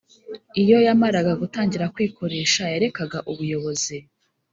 iyo yamaraga gutangira kwikoresha yarekaga ubuyobozi,